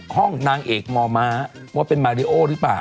ห้องนางเอกมม้าว่าเป็นมาริโอหรือเปล่า